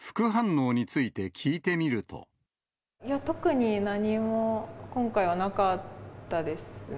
特に何も、今回はなかったですね。